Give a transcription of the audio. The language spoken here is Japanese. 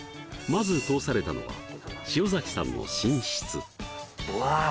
まず通されたのは塩崎さんの寝室わあ